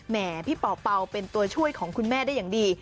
พี่เป่าเป็นตัวช่วยของคุณแม่ได้อย่างดี